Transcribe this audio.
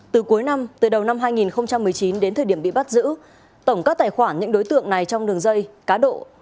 từ cuối năm từ đầu năm hai nghìn một mươi chín đến thời điểm bị bắt giữ tổng các tài khoản những đối tượng này trong đường dây cá độ